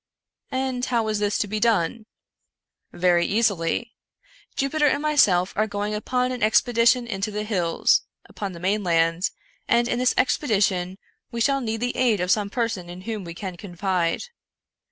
" And how is this to be done ?"" Very easily. Jupiter and myself are going upon an expedition into the hills, upon the mainland, and, in this expedition, we shall need the aid of some person in whom we can confide.